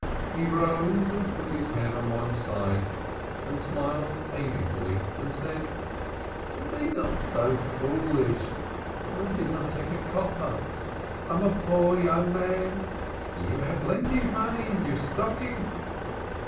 He rose and put his head on one side and smiled amiably and said, "Be not so foolish. I did not take a copper. I am a poor young man. You have plenty of money in your stocking."